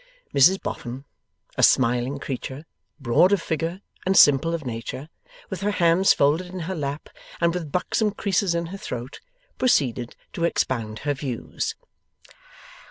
Mrs Boffin, a smiling creature, broad of figure and simple of nature, with her hands folded in her lap, and with buxom creases in her throat, proceeded to expound her views.